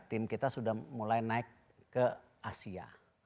tim kita sudah mulai naik ke asia